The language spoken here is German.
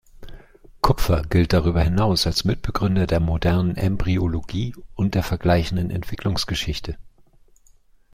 Kupffer gilt darüber hinaus als Mitbegründer der modernen Embryologie und der vergleichenden Entwicklungsgeschichte.